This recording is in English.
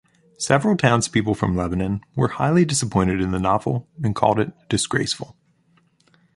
Several townspeople from Lebanon were highly disappointed in the novel and called it disgraceful.